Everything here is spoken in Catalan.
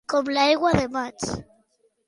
Com l'aigua de maig.